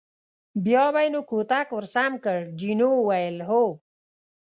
بیا به یې نو کوتک ور سم کړ، جینو وویل: هو.